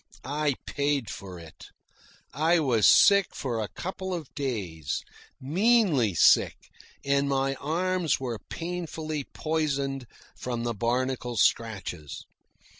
I paid for it. I was sick for a couple of days, meanly sick, and my arms were painfully poisoned from the barnacle scratches.